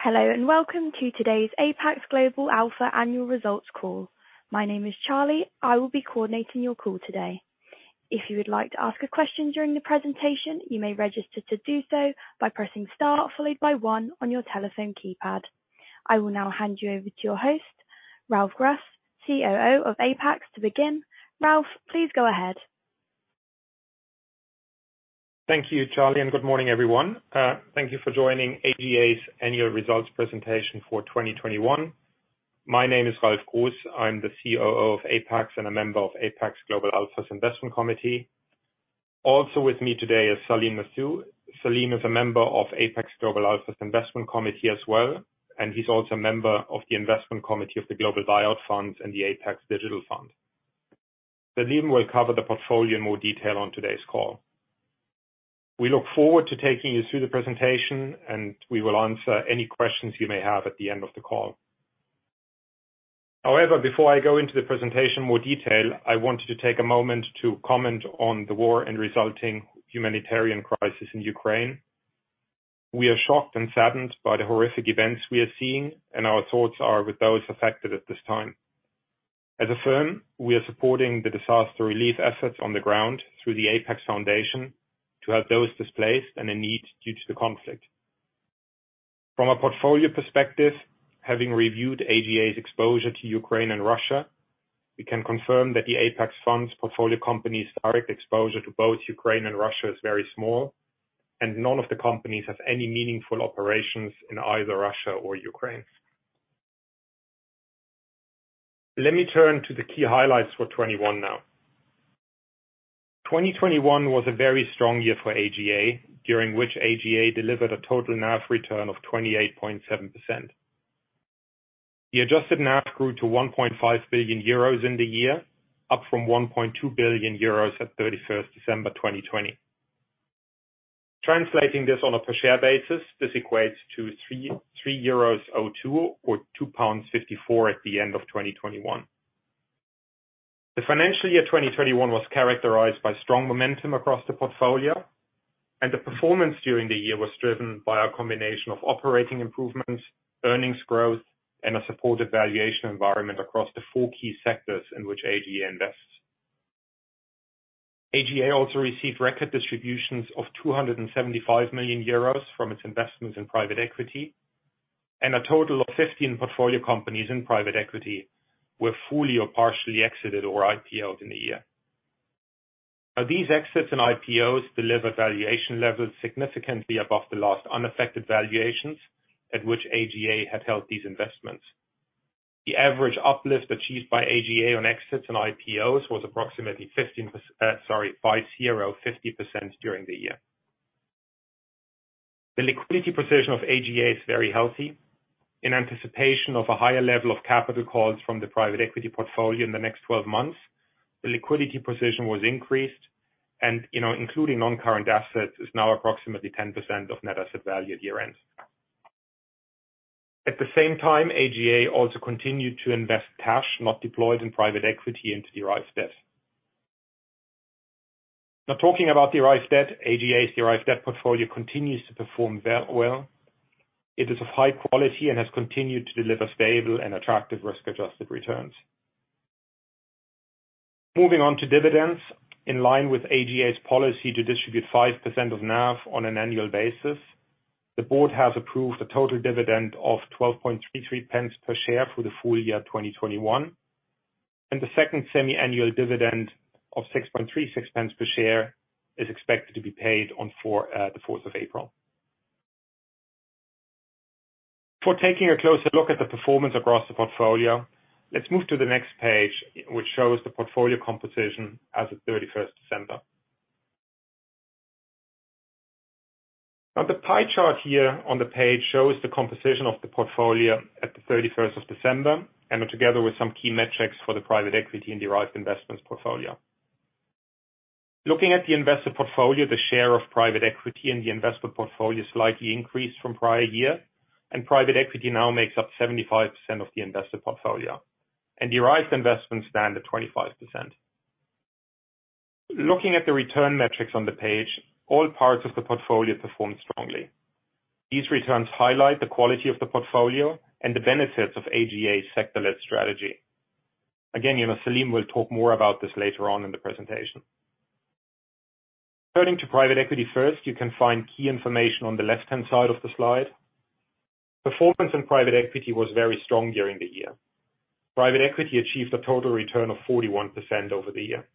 Hello, and welcome to today's Apax Global Alpha annual results call. My name is Charlie, I will be coordinating your call today. If you would like to ask a question during the presentation, you may register to do so by pressing star followed by one on your telephone keypad. I will now hand you over to your host, Ralf Gruss, COO of Apax, to begin. Ralf, please go ahead. Thank you, Charlie, and good morning, everyone. Thank you for joining AGA's annual results presentation for 2021. My name is Ralf Gruss, I'm the COO of Apax and a member of Apax Global Alpha's investment committee. Also with me today is Salim Nathoo. Salim is a member of Apax Global Alpha's investment committee as well, and he's also a member of the investment committee of the Global Buyout Funds and the Apax Digital Fund. Salim will cover the portfolio in more detail on today's call. We look forward to taking you through the presentation, and we will answer any questions you may have at the end of the call. However, before I go into the presentation in more detail, I wanted to take a moment to comment on the war and resulting humanitarian crisis in Ukraine. We are shocked and saddened by the horrific events we are seeing, and our thoughts are with those affected at this time. As a firm, we are supporting the disaster relief efforts on the ground through the Apax Foundation to help those displaced and in need due to the conflict. From a portfolio perspective, having reviewed AGA's exposure to Ukraine and Russia, we can confirm that the Apax Fund's portfolio companies' direct exposure to both Ukraine and Russia is very small, and none of the companies have any meaningful operations in either Russia or Ukraine. Let me turn to the key highlights for 2021 now. 2021 was a very strong year for AGA, during which AGA delivered a total NAV return of 28.7%. The adjusted NAV grew to 1.5 billion euros in the year, up from 1.2 billion euros at 31 December 2020. Translating this on a per share basis, this equates to €3.02 or 2.54 pounds at the end of 2021. The financial year 2021 was characterized by strong momentum across the portfolio, and the performance during the year was driven by a combination of operating improvements, earnings growth, and a supportive valuation environment across the four key sectors in which AGA invests. AGA also received record distributions of 275 million euros from its investments in private equity, and a total of 15 portfolio companies in private equity were fully or partially exited or IPOed in the year. Now, these exits and IPOs deliver valuation levels significantly above the last unaffected valuations at which AGA had held these investments. The average uplift achieved by AGA on exits and IPOs was approximately 50% during the year. The liquidity position of AGA is very healthy. In anticipation of a higher level of capital calls from the private equity portfolio in the next 12 months, the liquidity position was increased and, you know, including non-current assets, is now approximately 10% of net asset value at year-end. At the same time, AGA also continued to invest cash not deployed in private equity into derived debt. Now talking about derived debt, AGA's derived debt portfolio continues to perform well. It is of high quality and has continued to deliver stable and attractive risk-adjusted returns. Moving on to dividends. In line with AGA's policy to distribute 5% of NAV on an annual basis, the board has approved a total dividend of 12.33 pence per share for the full year 2021, and the second semi-annual dividend of 6.36 pence per share is expected to be paid on 4, the fourth of April. Before taking a closer look at the performance across the portfolio, let's move to the next page which shows the portfolio composition as of 31 December. Now, the pie chart here on the page shows the composition of the portfolio at the 31 of December and together with some key metrics for the private equity and derived investments portfolio. Looking at the invested portfolio, the share of private equity in the invested portfolio slightly increased from prior year, and private equity now makes up 75% of the invested portfolio, and derived investments stand at 25%. Looking at the return metrics on the page, all parts of the portfolio performed strongly. These returns highlight the quality of the portfolio and the benefits of AGA's sector-led strategy. Again, you know, Salim will talk more about this later on in the presentation. Turning to private equity first, you can find key information on the left-hand side of the slide. Performance in private equity was very strong during the year. Private equity achieved a total return of 41% over the year.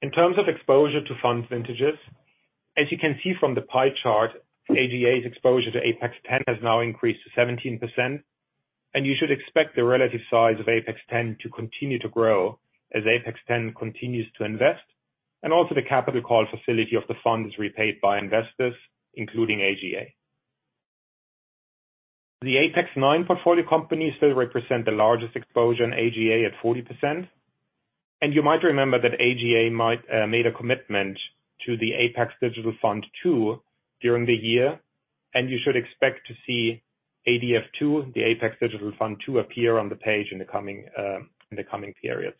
In terms of exposure to fund vintages, as you can see from the pie chart, AGA's exposure to Apax X has now increased to 17%, and you should expect the relative size of Apax X to continue to grow as Apax X continues to invest and also the capital call facility of the fund is repaid by investors, including AGA. The Apax IX portfolio companies still represent the largest exposure in AGA at 40%, and you might remember that AGA made a commitment to the Apax Digital Fund II during the year, and you should expect to see ADF II, the Apax Digital Fund II, appear on the page in the coming periods.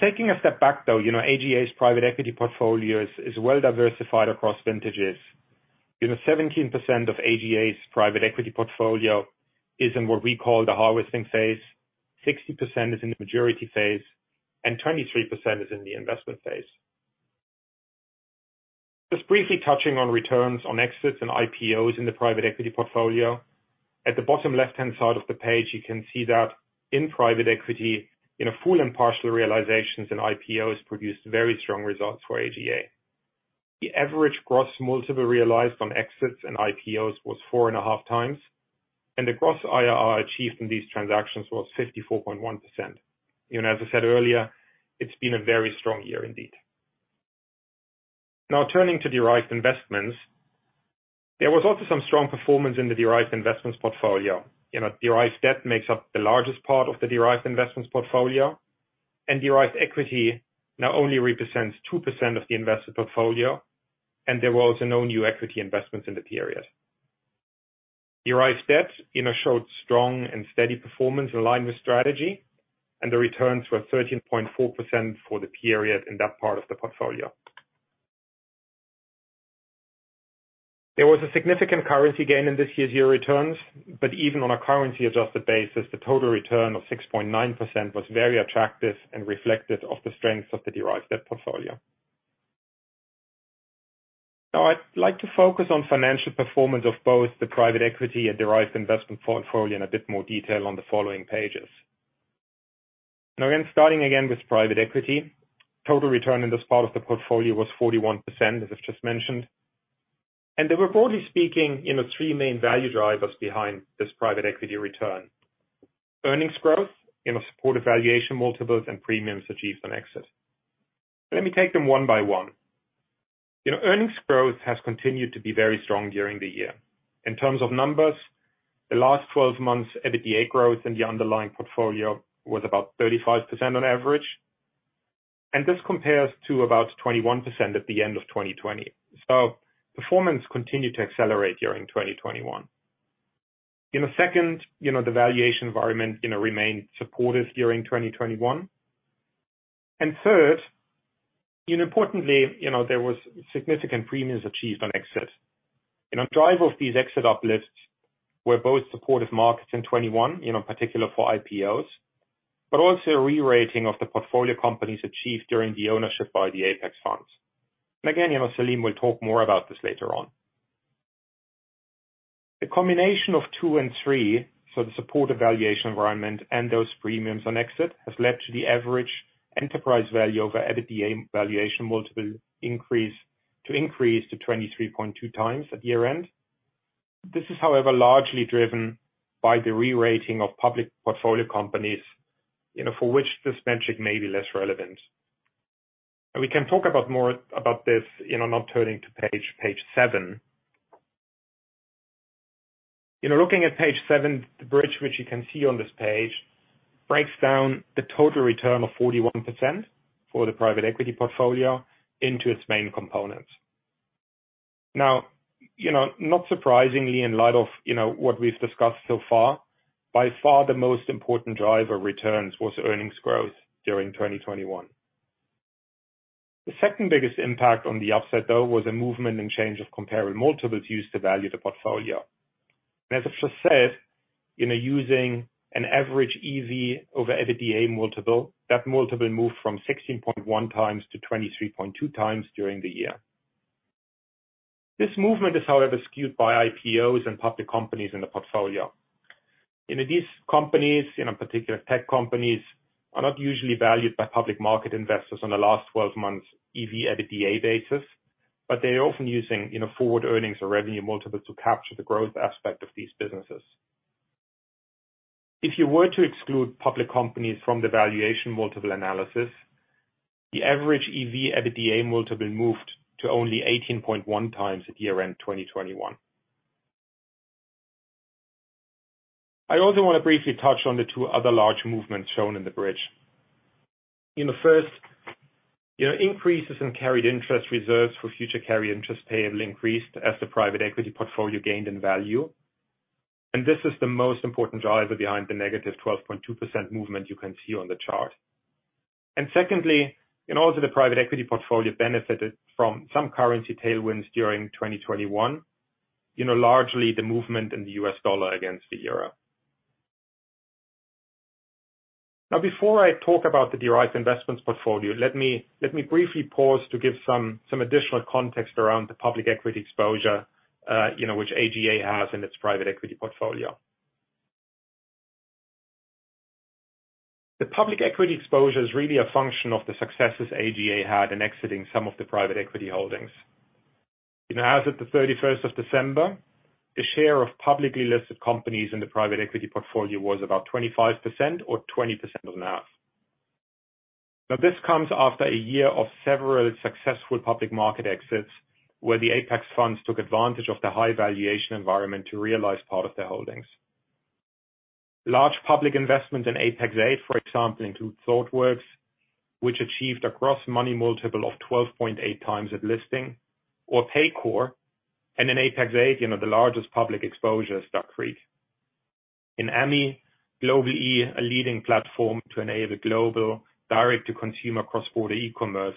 Taking a step back though, you know, AGA's private equity portfolio is well diversified across vintages. You know, 17% of AGA's private equity portfolio is in what we call the harvesting phase, 60% is in the maturity phase, and 23% is in the investment phase. Just briefly touching on returns on exits and IPOs in the private equity portfolio. At the bottom left-hand side of the page, you can see that in private equity, you know, full and partial realizations in IPOs produced very strong results for AGA. The average gross multiple realized on exits and IPOs was 4.5x, and the gross IRR achieved in these transactions was 54.1%. You know, as I said earlier, it's been a very strong year indeed. Now, turning to derived investments. There was also some strong performance in the derived investments portfolio. You know, derived debt makes up the largest part of the derived investments portfolio, and derived equity now only represents 2% of the invested portfolio, and there was no new equity investments in the period. Derived debt, you know, showed strong and steady performance in line with strategy, and the returns were 13.4% for the period in that part of the portfolio. There was a significant currency gain in this year's year returns, but even on a currency-adjusted basis, the total return of 6.9% was very attractive and reflective of the strengths of the derived debt portfolio. Now I'd like to focus on financial performance of both the private equity and derived investment portfolio in a bit more detail on the following pages. Now, starting with private equity. Total return in this part of the portfolio was 41%, as I've just mentioned. There were, broadly speaking, you know, three main value drivers behind this private equity return, earnings growth, in the supportive valuation multiples, and premiums achieved on exit. Let me take them one by one. You know, earnings growth has continued to be very strong during the year. In terms of numbers, the last 12 months EBITDA growth in the underlying portfolio was about 35% on average, and this compares to about 21% at the end of 2020. Performance continued to accelerate during 2021. In the second, you know, the valuation environment, you know, remained supportive during 2021. Third, you know, importantly, you know, there was significant premiums achieved on exit. You know, drivers of these exit uplifts were both supportive markets in 2021, you know, particularly for IPOs, but also a re-rating of the portfolio companies achieved during the ownership by the Apax funds. Again, you know, Salim will talk more about this later on. The combination of two and three for the supportive valuation environment and those premiums on exit has led to the average EV/EBITDA valuation multiple increase to 23.2x at year-end. This is, however, largely driven by the re-rating of public portfolio companies, you know, for which this metric may be less relevant. We can talk more about this, you know, now turning to page 7. You know, looking at page 7, the bridge which you can see on this page breaks down the total return of 41% for the private equity portfolio into its main components. Now, you know, not surprisingly in light of, you know, what we've discussed so far, by far, the most important driver of returns was earnings growth during 2021. The second biggest impact on the upside, though, was a movement and change of comparable multiples used to value the portfolio. As I've just said, you know, using an average EV/EBITDA multiple, that multiple moved from 16.1x to 23.2x during the year. This movement is, however, skewed by IPOs and public companies in the portfolio. You know, these companies, you know, particular tech companies, are not usually valued by public market investors on the last 12 months EV/EBITDA basis, but they are often using, you know, forward earnings or revenue multiples to capture the growth aspect of these businesses. If you were to exclude public companies from the valuation multiple analysis, the average EV/EBITDA multiple moved to only 18.1x at year-end 2021. I also wanna briefly touch on the two other large movements shown in the bridge. In the first, you know, increases in carried interest reserves for future carry interest payable increased as the private equity portfolio gained in value. This is the most important driver behind the -12.2% movement you can see on the chart. Secondly, you know, also the private equity portfolio benefited from some currency tailwinds during 2021, you know, largely the movement in the U.S. dollar against the euro. Now before I talk about the derived investments portfolio, let me briefly pause to give some additional context around the public equity exposure, you know, which AGA has in its private equity portfolio. The public equity exposure is really a function of the successes AGA had in exiting some of the private equity holdings. You know, as of December 31, the share of publicly listed companies in the private equity portfolio was about 25% or 20% of NAV. Now this comes after a year of several successful public market exits, where the Apax funds took advantage of the high valuation environment to realize part of their holdings. Large public investment in Apax VIII, for example, include ThoughtWorks, which achieved a gross money multiple of 12.8x at listing or Paycor, and in Apax VIII, you know, the largest public exposure, Storkcraft. In Apax VIII, Global-e, a leading platform to enable global direct to consumer cross-border e-commerce,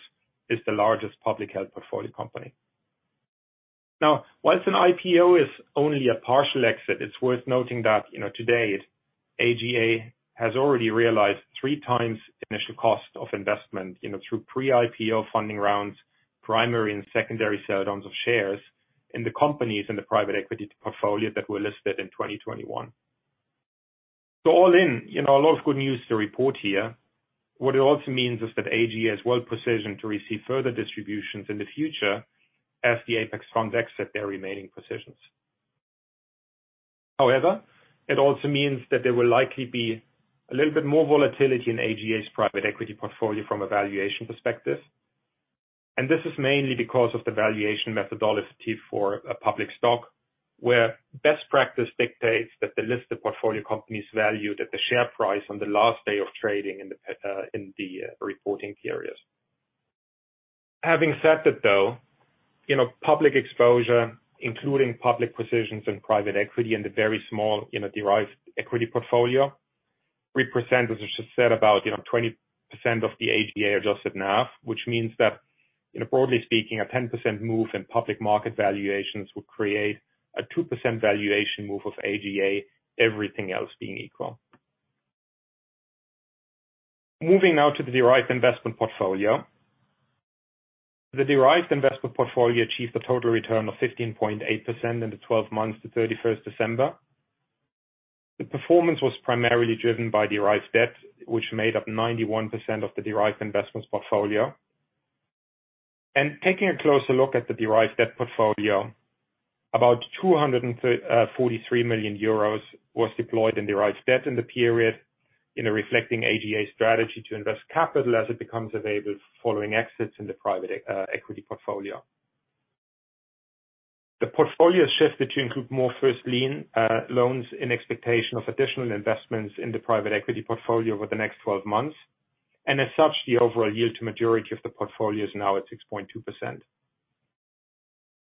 is the largest publicly held portfolio company. Now, while an IPO is only a partial exit, it's worth noting that, you know, today AGA has already realized three times the initial cost of investment, you know, through pre-IPO funding rounds, primary and secondary sale arms of shares in the companies in the private equity portfolio that were listed in 2021. All in, you know, a lot of good news to report here. What it also means is that AGA is well-positioned to receive further distributions in the future as the Apax funds exit their remaining positions. However, it also means that there will likely be a little bit more volatility in AGA's private equity portfolio from a valuation perspective. This is mainly because of the valuation methodology for a public stock where best practice dictates that the list of portfolio companies valued at the share price on the last day of trading in the reporting periods. Having said that, though, you know, public exposure, including public positions in private equity in the very small, you know, derived equity portfolio, represents, as I just said, about, you know, 20% of the AGA adjusted NAV. Which means that, you know, broadly speaking, a 10% move in public market valuations would create a 2% valuation move of AGA, everything else being equal. Moving now to the derived investment portfolio. The derived investment portfolio achieved a total return of 15.8% in the 12 months to 31 December. The performance was primarily driven by derived debt, which made up 91% of the derived investments portfolio. Taking a closer look at the derived debt portfolio, about 243 million euros was deployed in derived debt in the period, reflecting AGA's strategy to invest capital as it becomes available following exits in the private equity portfolio. The portfolio shifted to include more first lien loans in expectation of additional investments in the private equity portfolio over the next 12 months. As such, the overall yield to maturity of the portfolio is now at 6.2%.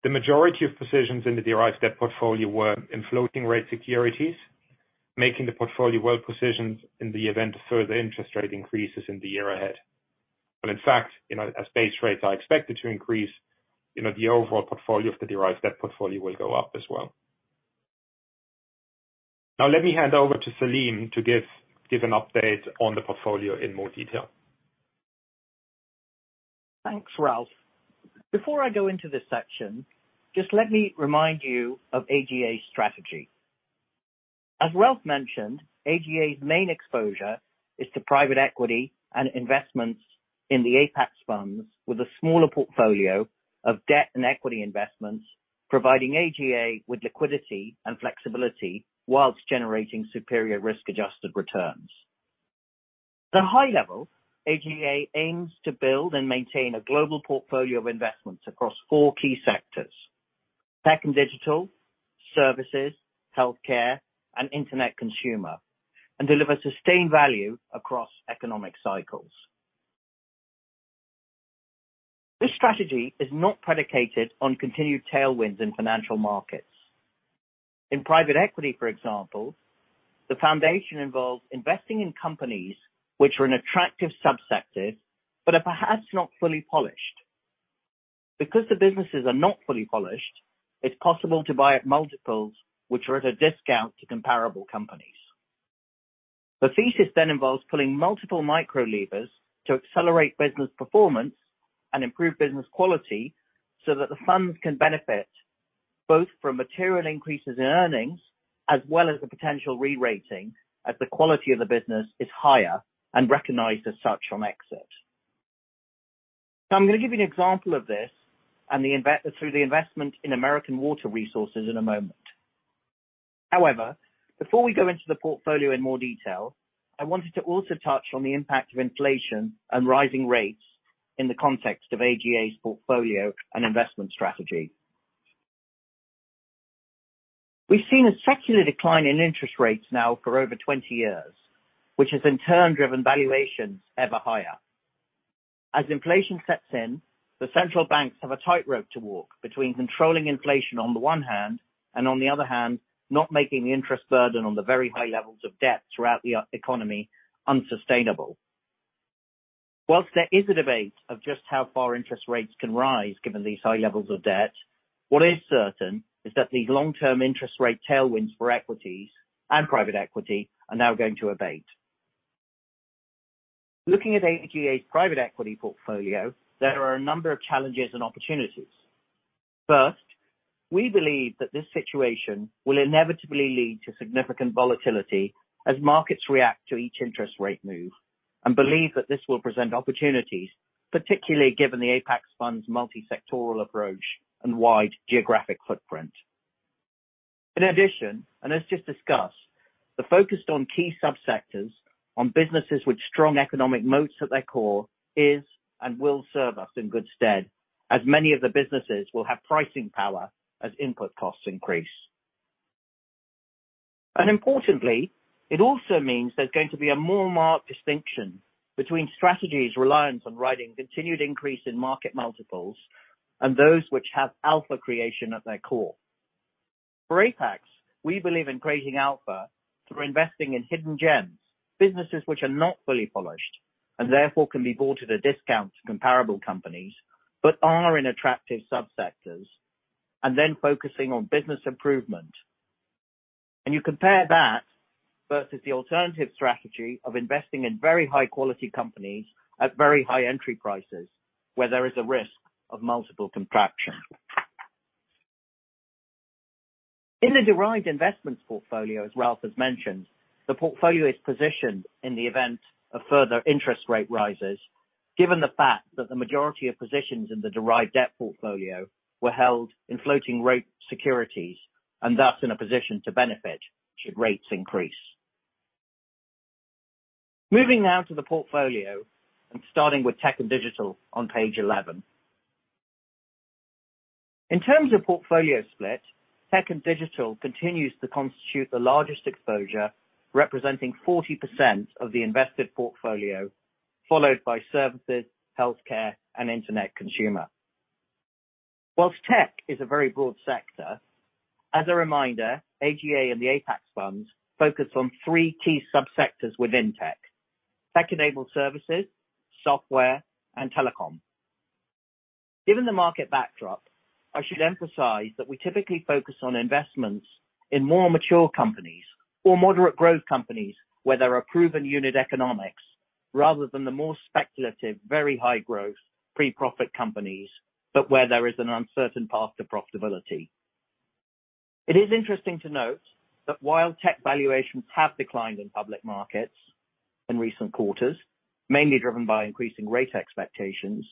The majority of positions in the derived debt portfolio were in floating rate securities, making the portfolio well-positioned in the event of further interest rate increases in the year ahead. In fact, you know, as base rates are expected to increase, you know, the overall portfolio of the derived debt portfolio will go up as well. Now let me hand over to Salim to give an update on the portfolio in more detail. Thanks, Ralf. Before I go into this section, just let me remind you of AGA's strategy. As Ralf mentioned, AGA's main exposure is to private equity and investments in the Apax funds, with a smaller portfolio of debt and equity investments, providing AGA with liquidity and flexibility while generating superior risk-adjusted returns. At a high level, AGA aims to build and maintain a global portfolio of investments across four key sectors, tech and digital, services, healthcare, and internet consumer, and deliver sustained value across economic cycles. This strategy is not predicated on continued tailwinds in financial markets. In private equity, for example, the foundation involves investing in companies which are an attractive subsector but are perhaps not fully polished. Because the businesses are not fully polished, it's possible to buy at multiples which are at a discount to comparable companies. The thesis involves pulling multiple micro levers to accelerate business performance and improve business quality so that the funds can benefit both from material increases in earnings as well as the potential re-rating as the quality of the business is higher and recognized as such on exit. Now, I'm gonna give you an example of this and through the investment in American Water Resources in a moment. However, before we go into the portfolio in more detail, I wanted to also touch on the impact of inflation and rising rates in the context of AGA's portfolio and investment strategy. We've seen a secular decline in interest rates now for over 20 years, which has in turn driven valuations ever higher. As inflation sets in, the central banks have a tightrope to walk between controlling inflation on the one hand, and on the other hand, not making the interest burden on the very high levels of debt throughout the economy unsustainable. While there is a debate of just how far interest rates can rise, given these high levels of debt, what is certain is that the long-term interest rate tailwinds for equities and private equity are now going to abate. Looking at AGA's private equity portfolio, there are a number of challenges and opportunities. First, we believe that this situation will inevitably lead to significant volatility as markets react to each interest rate move and believe that this will present opportunities, particularly given the Apax fund's multi-sectoral approach and wide geographic footprint. In addition, and as just discussed, the focus on key subsectors on businesses with strong economic moats at their core is and will serve us in good stead, as many of the businesses will have pricing power as input costs increase. Importantly, it also means there's going to be a more marked distinction between strategies reliant on riding continued increase in market multiples and those which have alpha creation at their core. For Apax, we believe in creating alpha through investing in hidden gems, businesses which are not fully polished, and therefore can be bought at a discount to comparable companies, but are in attractive sub-sectors and then focusing on business improvement. You compare that versus the alternative strategy of investing in very high quality companies at very high entry prices, where there is a risk of multiple contraction. In the derived investments portfolio, as Ralf has mentioned, the portfolio is positioned in the event of further interest rate rises, given the fact that the majority of positions in the derived debt portfolio were held in floating rate securities and thus in a position to benefit should rates increase. Moving now to the portfolio and starting with tech and digital on page 11. In terms of portfolio split, tech and digital continues to constitute the largest exposure, representing 40% of the invested portfolio, followed by services, healthcare, and internet consumer. While tech is a very broad sector, as a reminder, AGA and the Apax funds focus on three key sub-sectors within tech: tech-enabled services, software, and telecom. Given the market backdrop, I should emphasize that we typically focus on investments in more mature companies or moderate growth companies where there are proven unit economics, rather than the more speculative, very high growth, pre-profit companies, but where there is an uncertain path to profitability. It is interesting to note that while tech valuations have declined in public markets in recent quarters, mainly driven by increasing rate expectations,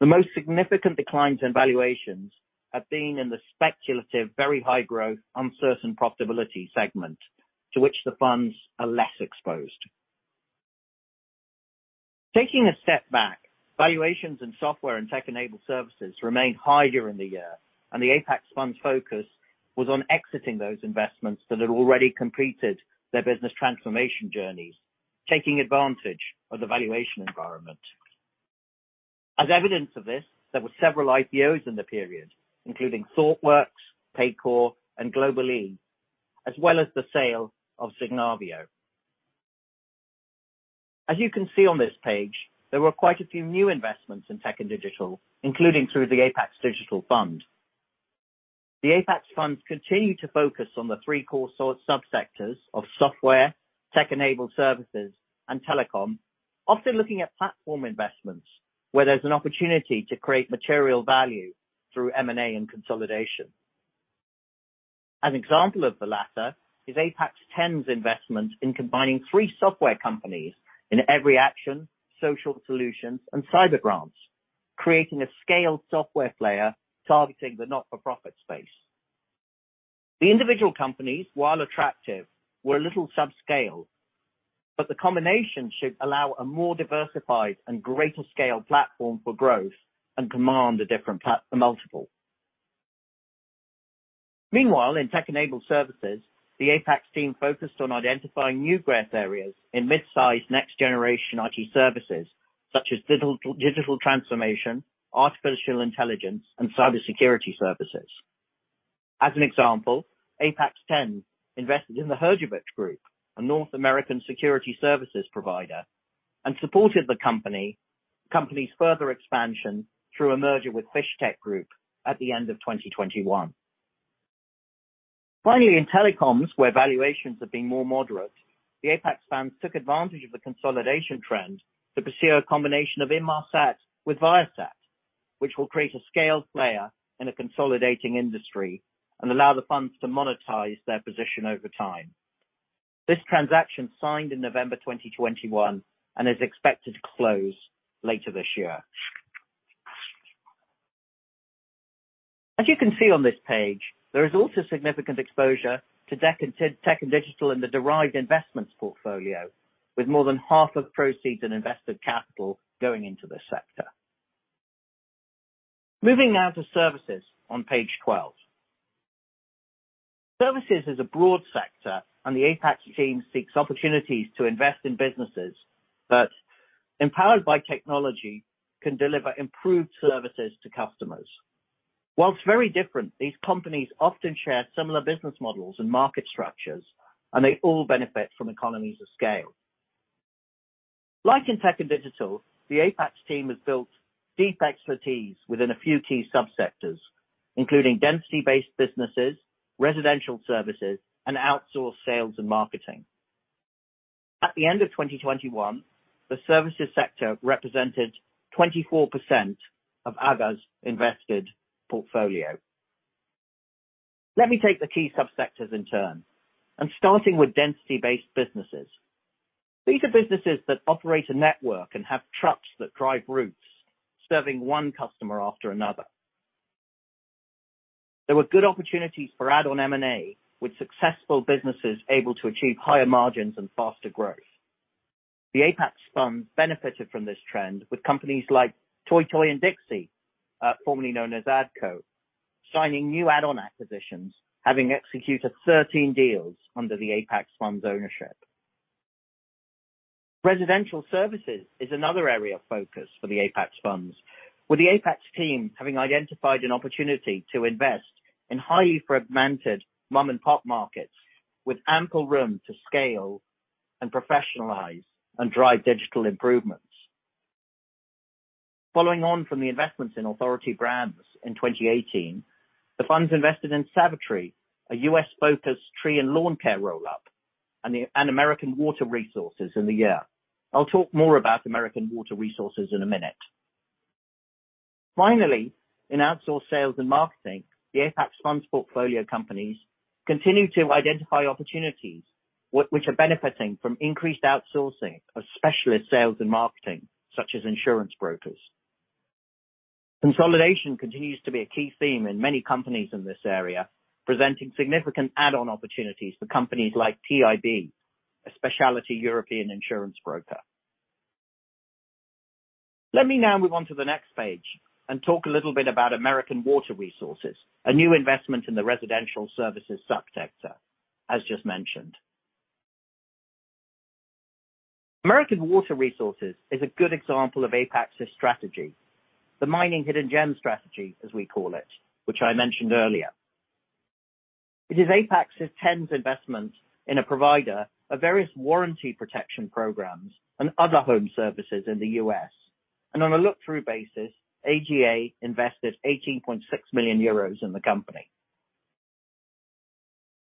the most significant declines in valuations have been in the speculative, very high growth, uncertain profitability segment to which the funds are less exposed. Taking a step back, valuations in software and tech-enabled services remained higher in the year, and the Apax funds' focus was on exiting those investments that had already completed their business transformation journeys, taking advantage of the valuation environment. As evidence of this, there were several IPOs in the period, including ThoughtWorks, Paycor, and Global-e, as well as the sale of Signavio. As you can see on this page, there were quite a few new investments in tech and digital, including through the Apax Digital Fund. The Apax Funds continue to focus on the three core source sub-sectors of software, tech-enabled services, and telecom, often looking at platform investments where there's an opportunity to create material value through M&A and consolidation. An example of the latter is Apax X's investment in combining three software companies in EveryAction, Social Solutions, and CyberGrants, creating a scaled software player targeting the not-for-profit space. The individual companies, while attractive, were a little subscale, but the combination should allow a more diversified and greater scale platform for growth and command a different multiple. Meanwhile, in tech-enabled services, the Apax team focused on identifying new growth areas in midsize next generation IT services such as digital transformation, artificial intelligence, and cybersecurity services. As an example, Apax X invested in the Herjavec Group, a North American security services provider, and supported the company's further expansion through a merger with Fishtech Group at the end of 2021. Finally, in telecoms, where valuations have been more moderate, the Apax funds took advantage of the consolidation trend to pursue a combination of Inmarsat with Viasat, which will create a scaled player in a consolidating industry and allow the funds to monetize their position over time. This transaction signed in November 2021 and is expected to close later this year. As you can see on this page, there is also significant exposure to tech and digital in the derived investments portfolio, with more than half of proceeds in invested capital going into this sector. Moving now to services on page 12. Services is a broad sector, and the Apax team seeks opportunities to invest in businesses that, empowered by technology, can deliver improved services to customers. While very different, these companies often share similar business models and market structures, and they all benefit from economies of scale. Like in tech and digital, the Apax team has built deep expertise within a few key sub-sectors, including density-based businesses, residential services, and outsourced sales and marketing. At the end of 2021, the services sector represented 24% of AGA's invested portfolio. Let me take the key sub-sectors in turn and starting with density-based businesses. These are businesses that operate a network and have trucks that drive routes serving one customer after another. There were good opportunities for add-on M&A, with successful businesses able to achieve higher margins and faster growth. The Apax Funds benefited from this trend with companies like TOI TOI & DIXI, formerly known as ADCO, signing new add-on acquisitions, having executed 13 deals under the Apax Funds' ownership. Residential services is another area of focus for the Apax Funds, with the Apax team having identified an opportunity to invest in highly fragmented mom-and-pop markets with ample room to scale and professionalize and drive digital improvements. Following on from the investments in Authority Brands in 2018, the funds invested in SavATree, a U.S.-focused tree and lawn care roll-up, and American Water Resources in the year. I'll talk more about American Water Resources in a minute. Finally, in outsource sales and marketing, the Apax Funds portfolio companies continue to identify opportunities which are benefiting from increased outsourcing of specialist sales and marketing, such as insurance brokers. Consolidation continues to be a key theme in many companies in this area, presenting significant add-on opportunities for companies like TIB, a specialty European insurance broker. Let me now move on to the next page and talk a little bit about American Water Resources, a new investment in the residential services subsector, as just mentioned. American Water Resources is a good example of Apax's strategy, the mining hidden gem strategy, as we call it, which I mentioned earlier. It is Apax's tenth investment in a provider of various warranty protection programs and other home services in the U.S. On a look-through basis, AGA invested 18.6 million euros in the company.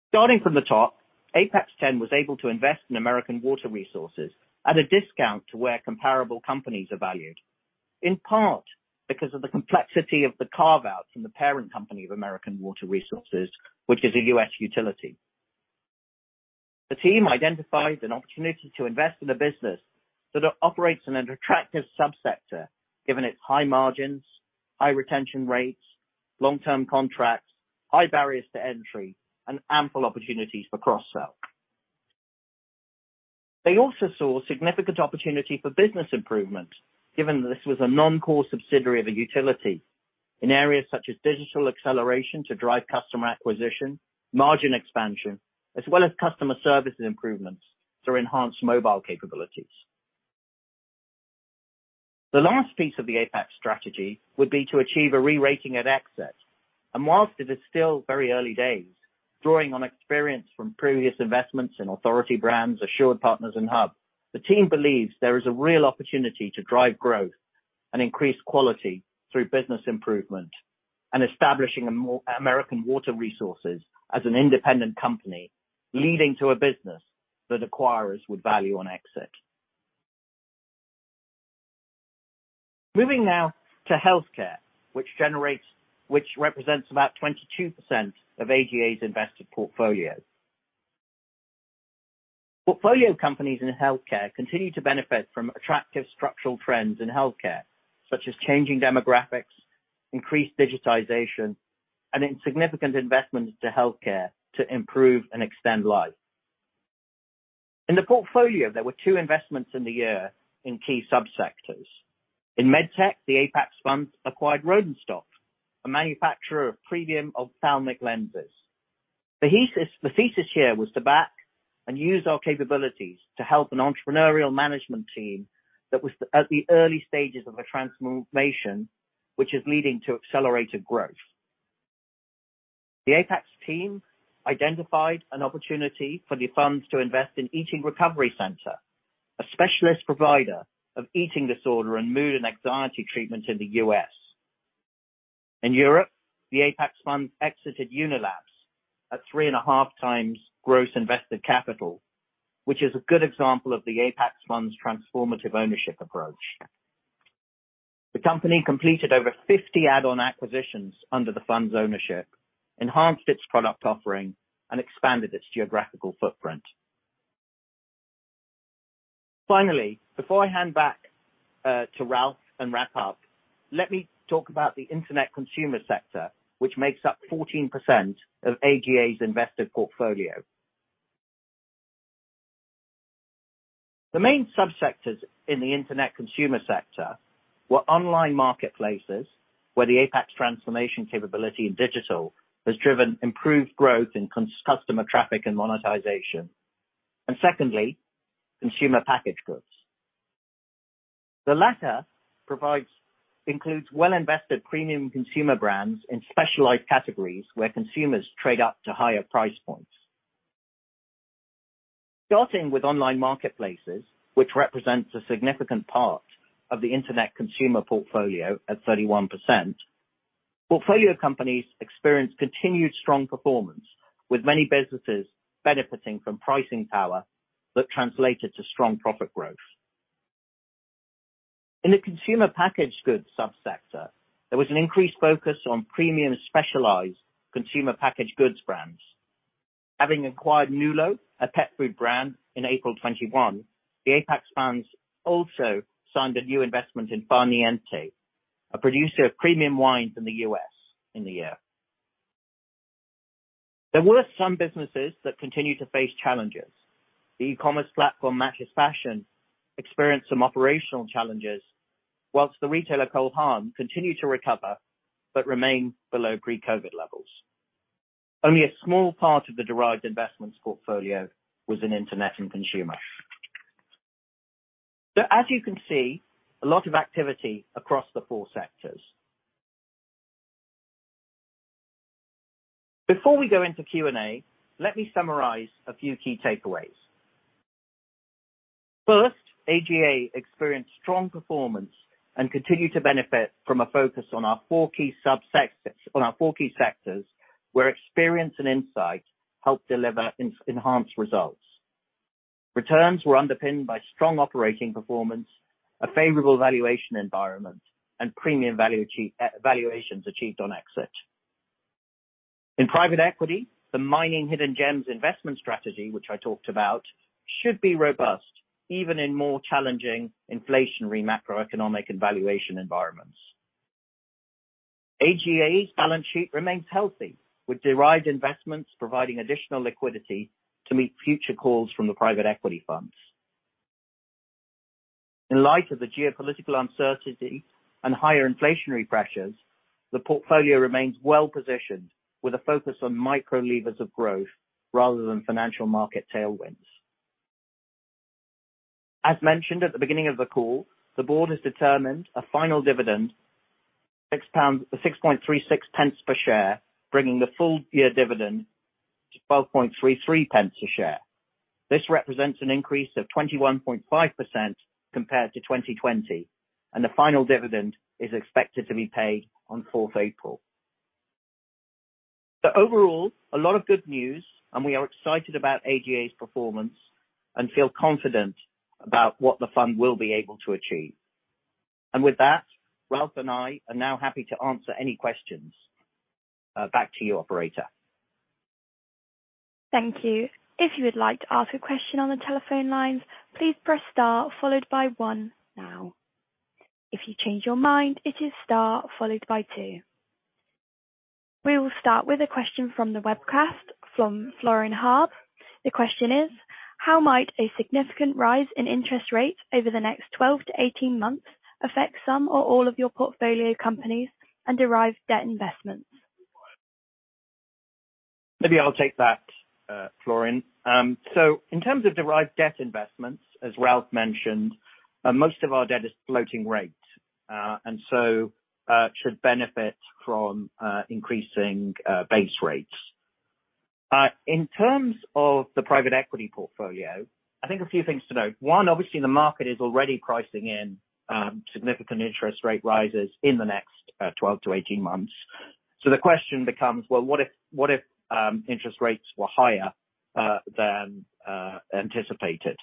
Starting from the top, Apax X was able to invest in American Water Resources at a discount to where comparable companies are valued, in part because of the complexity of the carve-out from the parent company of American Water Resources, which is a U.S. utility. The team identified an opportunity to invest in a business that operates in an attractive subsector, given its high margins, high retention rates, long-term contracts, high barriers to entry, and ample opportunities for cross-sell. They also saw significant opportunity for business improvement, given this was a non-core subsidiary of a utility in areas such as digital acceleration to drive customer acquisition, margin expansion, as well as customer services improvements through enhanced mobile capabilities. The last piece of the Apax strategy would be to achieve a re-rating at exit. While it is still very early days, drawing on experience from previous investments in Authority Brands, AssuredPartners and Hub International, the team believes there is a real opportunity to drive growth and increase quality through business improvement and establishing American Water Resources as an independent company, leading to a business that acquirers would value on exit. Moving now to healthcare, which represents about 22% of AGA's invested portfolios. Portfolio companies in healthcare continue to benefit from attractive structural trends in healthcare, such as changing demographics, increased digitization, and significant investments in healthcare to improve and extend life. In the portfolio, there were two investments in the year in key subsectors. In med tech, the Apax Funds acquired Rodenstock, a manufacturer of premium ophthalmic lenses. The thesis here was to back and use our capabilities to help an entrepreneurial management team that was at the early stages of a transformation which is leading to accelerated growth. The Apax team identified an opportunity for the funds to invest in Eating Recovery Center, a specialist provider of eating disorder and mood and anxiety treatment in the U.S. In Europe, the Apax Funds exited Unilabs at 3.5x gross invested capital, which is a good example of the Apax Funds transformative ownership approach. The company completed over 50 add-on acquisitions under the funds ownership. Finally, before I hand back to Ralf and wrap up, let me talk about the internet consumer sector, which makes up 14% of AGA's invested portfolio. The main subsectors in the internet consumer sector were online marketplaces, where the Apax transformation capability in digital has driven improved growth in customer traffic and monetization. Secondly, consumer packaged goods. The latter includes well-invested premium consumer brands in specialized categories where consumers trade up to higher price points. Starting with online marketplaces, which represents a significant part of the internet consumer portfolio at 31%, portfolio companies experience continued strong performance, with many businesses benefiting from pricing power that translated to strong profit growth. In the consumer packaged goods subsector, there was an increased focus on premium specialized consumer packaged goods brands. Having acquired Nulo, a pet food brand, in April 2021, the Apax Funds also signed a new investment in Far Niente, a producer of premium wines in the U.S. in the year. There were some businesses that continue to face challenges. The e-commerce platform, Matchesfashion, experienced some operational challenges, while the retailer Cole Haan continued to recover but remained below pre-COVID levels. Only a small part of the derived investments portfolio was in internet and consumer. As you can see, a lot of activity across the four sectors. Before we go into Q&A, let me summarize a few key takeaways. First, AGA experienced strong performance and continues to benefit from a focus on our four key subsectors. On our four key sectors, where experience and insight help deliver enhanced results. Returns were underpinned by strong operating performance, a favorable valuation environment, and premium valuations achieved on exit. In private equity, the mining hidden gems investment strategy, which I talked about, should be robust even in more challenging inflationary macroeconomic and valuation environments. Apax Global Alpha's balance sheet remains healthy, with derived investments providing additional liquidity to meet future calls from the private equity funds. In light of the geopolitical uncertainty and higher inflationary pressures, the portfolio remains well-positioned with a focus on micro levers of growth rather than financial market tailwinds. As mentioned at the beginning of the call, the board has determined a final dividend 6.36 pence per share, bringing the full-year dividend to 12.33 pence per share. This represents an increase of 21.5% compared to 2020, and the final dividend is expected to be paid on fourth April. Overall, a lot of good news, and we are excited about Apax Global Alpha's performance and feel confident about what the fund will be able to achieve. With that, Ralf and I are now happy to answer any questions. Back to you, operator. Thank you. If you would like to ask a question on the telephone line, please press star followed by one now. If you change your mind, it is star followed by two. We will start with a question from the webcast from Florian Harb. The question is, how might a significant rise in interest rates over the next 12-18 months affect some or all of your portfolio companies and derived debt investments? Maybe I'll take that, Florian. In terms of derived debt investments, as Ralf mentioned, most of our debt is floating rate and so should benefit from increasing base rates. In terms of the private equity portfolio, I think a few things to note. One, obviously, the market is already pricing in significant interest rate rises in the next 12-18 months. The question becomes, well, what if interest rates were higher than anticipated?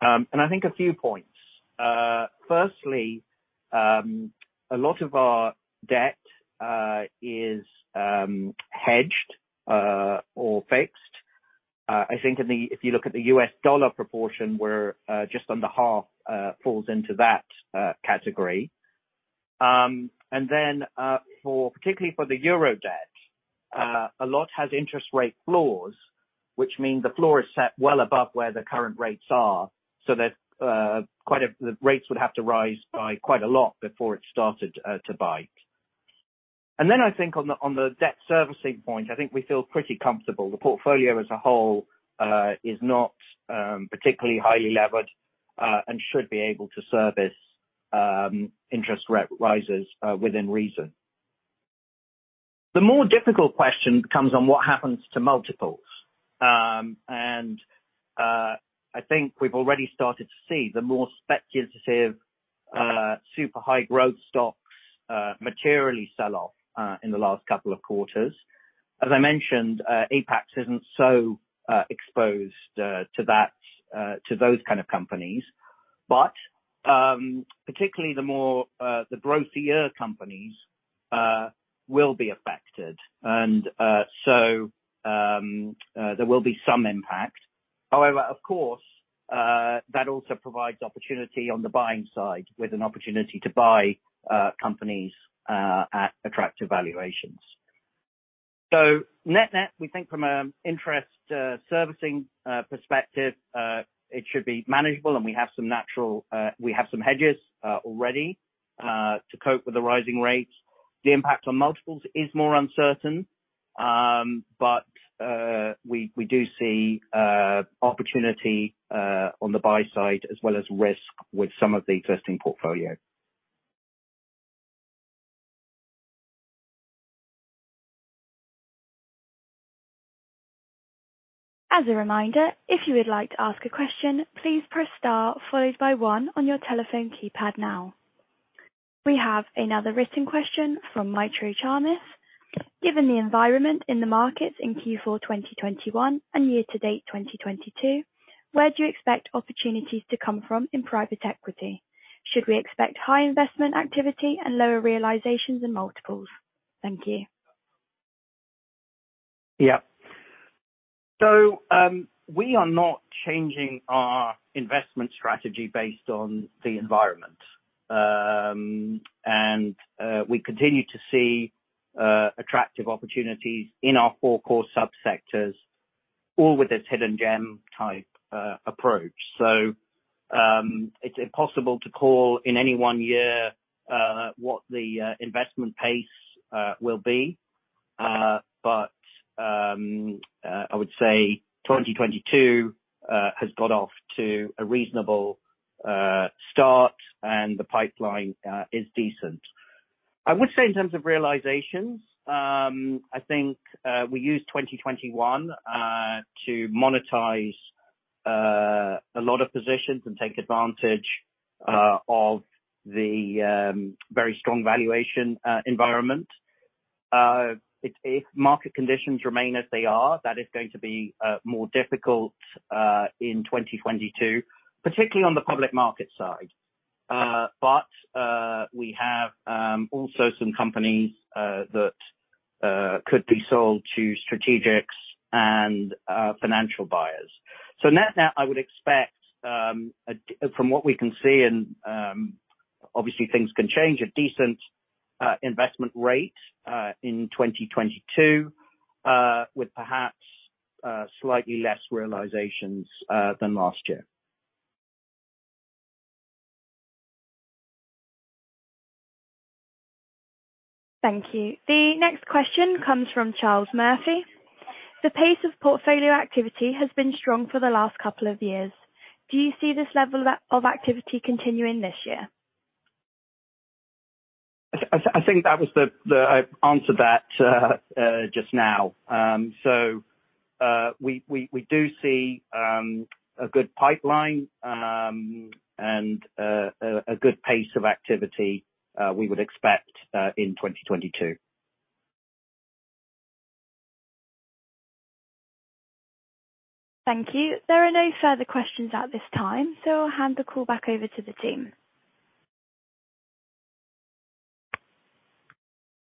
I think a few points. Firstly, a lot of our debt is hedged or fixed. If you look at the U.S. dollar proportion, we're just under half falls into that category. For particularly the euro debt, a lot has interest rate floors, which mean the floor is set well above where the current rates are, so that the rates would have to rise by quite a lot before it started to bite. I think on the debt servicing point, I think we feel pretty comfortable. The portfolio as a whole is not particularly highly levered and should be able to service interest rate rises within reason. The more difficult question comes on what happens to multiples. I think we've already started to see the more speculative super high growth stocks materially sell off in the last couple of quarters. As I mentioned, Apax isn't so exposed to those kind of companies. Particularly the more growthier companies will be affected. There will be some impact. However, of course, that also provides the opportunity on the buying side with an opportunity to buy companies at attractive valuations. Net-net, we think from interest servicing perspective, it should be manageable, and we have some natural hedges already to cope with the rising rates. The impact on multiples is more uncertain. We do see opportunity on the buy side as well as risk with some of the existing portfolio. As a reminder, if you would like to ask a question, please press star followed by one on your telephone keypad now. We have another written question from Maitreyi Charmis. Given the environment in the markets in Q4 2021 and year to date 2022, where do you expect opportunities to come from in private equity? Should we expect high investment activity and lower realizations and multiples? Thank you. We are not changing our investment strategy based on the environment. We continue to see attractive opportunities in our four core subsectors or with this hidden gem type approach. It's impossible to call in any one year what the investment pace will be. I would say 2022 has got off to a reasonable start and the pipeline is decent. I would say in terms of realizations, I think we used 2021 to monetize a lot of positions and take advantage of the very strong valuation environment. If market conditions remain as they are, that is going to be more difficult in 2022, particularly on the public market side. We have also some companies that could be sold to strategics and financial buyers. Net-net, I would expect, from what we can see and obviously things can change, a decent investment rate in 2022 with perhaps slightly less realizations than last year. Thank you. The next question comes from Charles Murphy. The pace of portfolio activity has been strong for the last couple of years. Do you see this level of activity continuing this year? I think that was. I answered that just now. We do see a good pipeline and a good pace of activity we would expect in 2022. Thank you. There are no further questions at this time, so I'll hand the call back over to the team.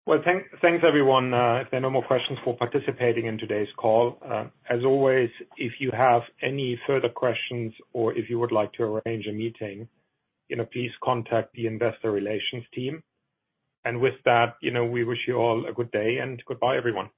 Well, thanks everyone, there are no more questions, for participating in today's call. As always, if you have any further questions or if you would like to arrange a meeting, you know, please contact the investor relations team. With that, you know, we wish you all a good day and goodbye everyone.